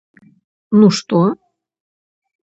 - Ну, што?